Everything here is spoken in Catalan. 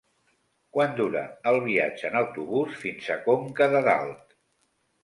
Quant dura el viatge en autobús fins a Conca de Dalt?